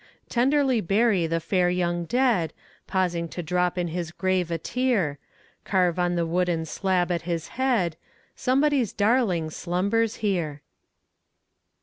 Tenderly bury the fair young dead, Pausing to drop in his grave a tear; Carve on the wooden slab at his head "Somebody's darling slumbers here."